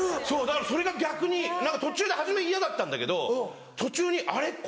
そうだからそれが逆に何か途中で初め嫌だったんだけど途中にあれ？